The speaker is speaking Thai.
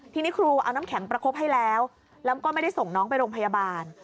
ทีนี้ครูเอาน้ำแข็งประคบให้แล้วแล้วก็ไม่ได้ส่งน้องไปโรงพยาบาล